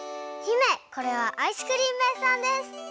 姫これはアイスクリーム屋さんです。